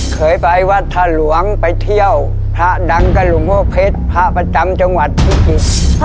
เคยไปวัดท่าหลวงไปเที่ยวพระดังกับหลวงพ่อเพชรพระประจำจังหวัดพิจิตร